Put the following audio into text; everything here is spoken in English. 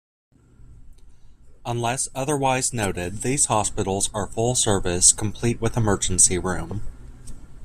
Unless otherwise noted, these hospitals are full-service, complete with emergency room.